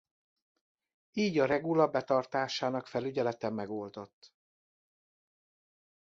Így a regula betartásának felügyelete megoldott.